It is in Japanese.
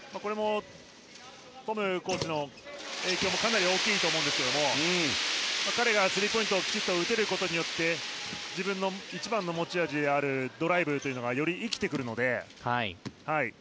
トムコーチの影響もかなり大きいと思いますが彼がスリーポイントをきちんと打てることによって自分の一番の持ち味であるドライブがより生きてくるので。